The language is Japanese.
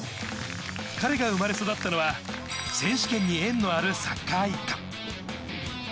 彼が生まれ育ったのは、選手権に縁のあるサッカー一家。